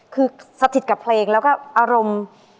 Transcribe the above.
คือสถิตกับเพลงแล้วก็อารมณ์